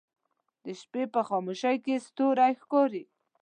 د شپې په خاموشۍ کې ستوری ښکاري